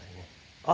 あ。